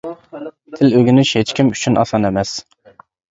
تىل ئۆگىنىش ھېچكىم ئۈچۈن ئاسان ئەمەس.